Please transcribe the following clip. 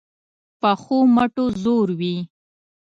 پخو مټو زور وي